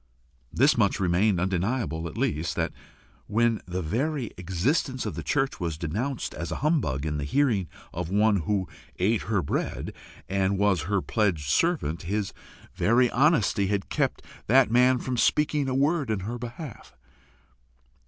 This much remained undeniable at least, that when the very existence of the church was denounced as a humbug in the hearing of one who ate her bread, and was her pledged servant, his very honesty had kept that man from speaking a word in her behalf!